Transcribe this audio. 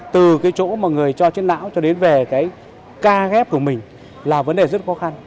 từ cái chỗ mà người cho trên não cho đến về cái ca ghép của mình là vấn đề rất khó khăn